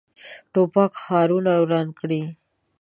توپک ښارونه وران کړي.